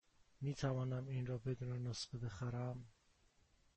می توانم این را بدون نسخه بخرم؟